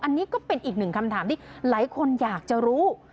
อันนี้ก็เป็นอีกหนึ่งคำถามที่หลายคนอยากจะรู้